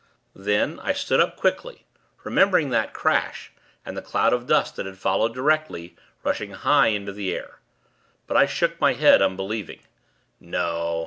Then, I stood up, quickly, remembering that crash, and the cloud of dust that had followed, directly, rushing high into the air. But I shook my head, unbelievingly. No!